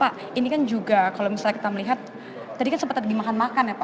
pak ini kan juga kalau misalnya kita melihat tadi kan sempat lagi makan makan ya pak